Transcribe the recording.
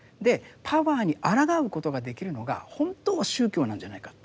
パワーにあらがうことができるのが本当は宗教なんじゃないかって。